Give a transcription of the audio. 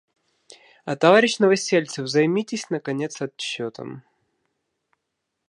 Товарищ Новосельцев, займитесь, наконец, отчетом.